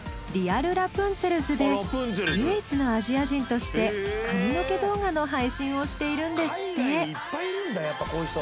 リアルラプンツェルズで唯一のアジア人として髪の毛動画の配信をしているんですって。